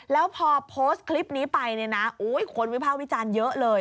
แล้วพอโพสต์คลิปนี้ไปเนี่ยนะคนวิภาควิจารณ์เยอะเลย